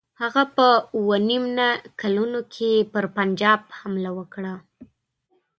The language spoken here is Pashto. هغه په اووه نیم نه کلونو کې پر پنجاب حمله وکړه.